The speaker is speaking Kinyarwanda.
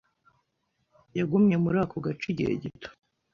Yagumye muri ako gace igihe gito.